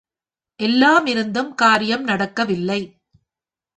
எல்லாம் இருந்தும் காரியம் நடக்க வில்லை.